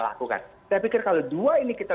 lakukan saya pikir kalau dua ini kita